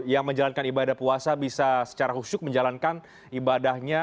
yang menjalankan ibadah puasa bisa secara husyuk menjalankan ibadahnya